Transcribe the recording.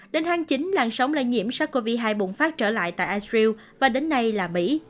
đến tháng chín làn sóng lây nhiễm sars cov hai bùng phát trở lại tại ital và đến nay là mỹ